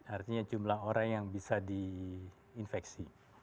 artinya jumlah orang yang bisa diinfeksi